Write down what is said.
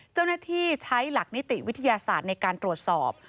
เจ้าหน้าที่ใช้หลักนิติวิทยาศาสตร์ในการตรวจสอบ